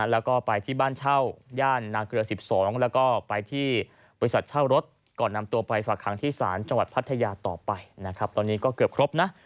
แล้วก็ไปที่บ้านเช่าย่านนาเกลือ๑๒แล้วก็ไปที่บริษัทเช่ารถก่อนนำตัวไปฝากหางที่ศาลจังหวัดพัทยาต่อไปนะครับตอนนี้ก็เกือบครบนะ